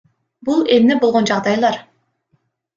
Бул эмне болгон жагдайлар?